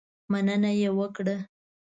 مننه یې وکړه.